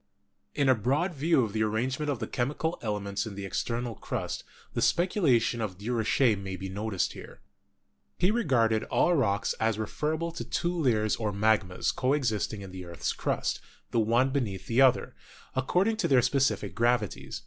In a broad view of the arrangement of the chemical elements in the external crust, the speculation of Durocher may be noticed here. He regarded all rocks as referable to two layers or magmas co existing in the earth's crust, the one beneath the other, according to their specific gravi ties.